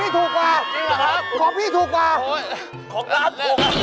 ถูกที่สุด